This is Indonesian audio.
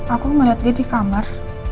aku melihat dia di kamar